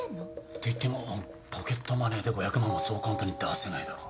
っていってもポケットマネーで５００万はそう簡単に出せないだろ。